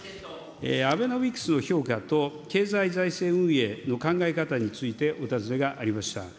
アベノミクスの評価と経済財政運営の考え方についてお尋ねがありました。